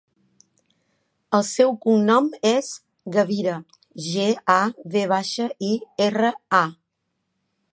El seu cognom és Gavira: ge, a, ve baixa, i, erra, a.